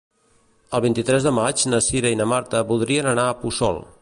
El vint-i-tres de maig na Cira i na Marta voldrien anar a Puçol.